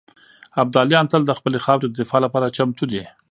ابداليان تل د خپلې خاورې د دفاع لپاره چمتو دي.